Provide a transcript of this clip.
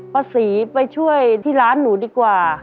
ป้าศรีไปช่วยที่ร้านหนูดีกว่า